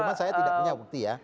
cuma saya tidak punya bukti ya